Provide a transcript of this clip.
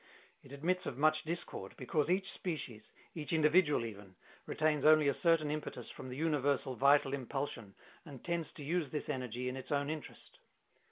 It admits of much discord, because each species, each individual even, retains only a certain impetus from the universal vital impulsion and tends to use this energy in its own interest.